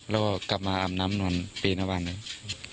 เรากลับมาอาบน้ำหนวนปีนครั้งบ้านเลย